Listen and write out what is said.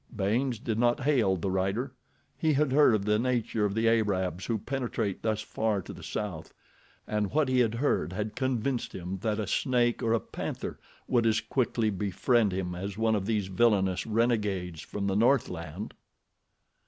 Baynes did not hail the rider. He had heard of the nature of the Arabs who penetrate thus far to the South, and what he had heard had convinced him that a snake or a panther would as quickly befriend him as one of these villainous renegades from the Northland.